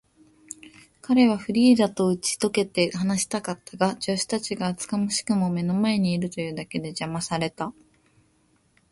彼はフリーダとうちとけて話したかったが、助手たちが厚かましくも目の前にいるというだけで、じゃまされた。